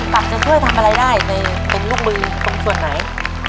ปากจะช่วยทำอะไรได้ในเป็นลูกมือตรงส่วนไหน